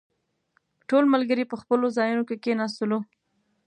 ټول ملګري په خپلو ځايونو کې کښېناستلو.